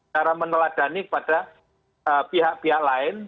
cara meneladani kepada pihak pihak lain